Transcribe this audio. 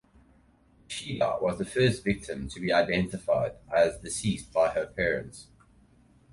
Ishida was the first victim to be identified as deceased by her parents.